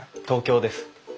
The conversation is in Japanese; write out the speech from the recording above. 東京です。